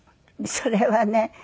それはね